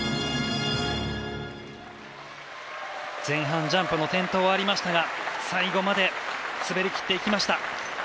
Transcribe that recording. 前半ジャンプの転倒はありましたが最後まで滑りきっていきました。